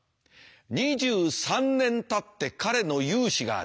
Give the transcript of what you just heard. ２３年たって彼の雄姿がある。